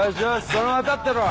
そのまま立ってろ。